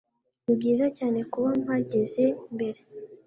Nibyiza Cyane kuba mpageze mbere